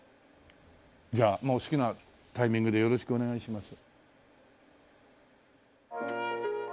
じゃあもう好きなタイミングでよろしくお願いします。